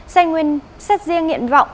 xe nguyên xét riêng nghiện vọng